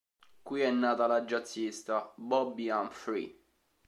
Qui è nata la jazzista Bobbi Humphrey.